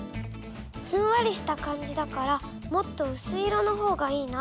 ふんわりした感じだからもっとうすい色のほうがいいな。